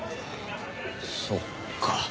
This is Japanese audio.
そっか。